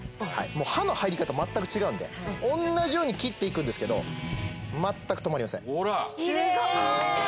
もう刃の入り方全く違うんで同じように切っていくんですけど全く止まりませんほらキレイ！